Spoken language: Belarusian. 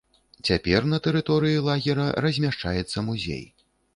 Цяпер на тэрыторыі лагера размяшчаецца музей.